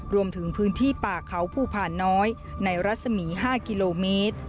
รวมถึงพื้นที่ป่าเขาภูผ่านน้อยในรัศมี๕กิโลเมตร